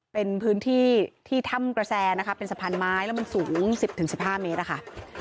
เป็นพื้นที่ที่ถ้ำกระแสนะคะเป็นสะพานไม้แล้วมันสูง๑๐๑๕เมตรอะค่ะ